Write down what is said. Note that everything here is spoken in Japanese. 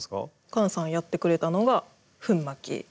菅さんやってくれたのが粉蒔き。